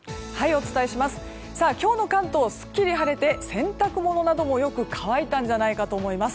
今日の関東すっきり晴れて洗濯物などもよく乾いたんじゃないかと思います。